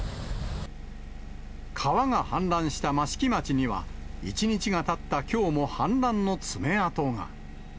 川が氾濫した益城町には、１日がたったきょうも氾濫の爪痕が。